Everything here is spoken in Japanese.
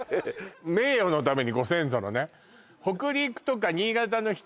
名誉のためにご先祖のね